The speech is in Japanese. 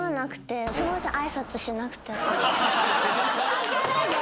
関係ない。